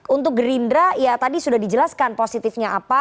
untuk gerindra ya tadi sudah dijelaskan positifnya apa